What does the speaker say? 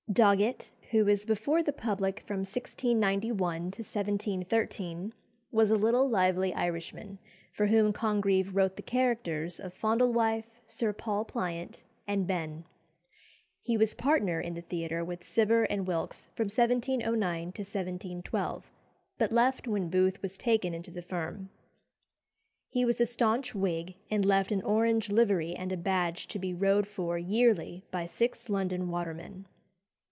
Doggett, who was before the public from 1691 to 1713, was a little lively Irishman, for whom Congreve wrote the characters of Fondlewife, Sir Paul Pliant, and Ben. He was partner in the theatre with Cibber and Wilkes from 1709 to 1712, but left when Booth was taken into the firm. He was a staunch Whig, and left an orange livery and a badge to be rowed for yearly by six London watermen.